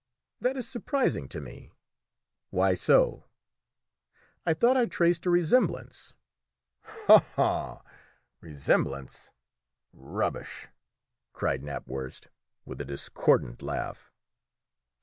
"That is surprising to me." "Why so?" "I thought I traced a resemblance." "Oho! resemblance! Rubbish!" cried Knapwurst with a discordant laugh.